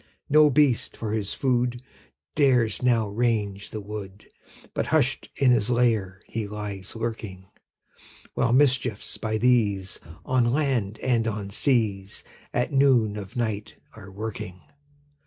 No beast, for his food, Dares now range the wood, But hush'd in his lair he lies lurking; While mischiefs, by these, On land and on seas, At noon of night are a working.